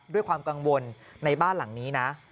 ด้วยความกังวลในบ้านหลังนี้นะ